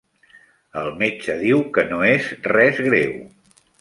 El metge diu que no és res greu.